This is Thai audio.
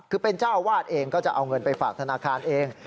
คือเป็นเจ้าอาวาสเองก็จะเอาเงินไปฝากธนาคารเอง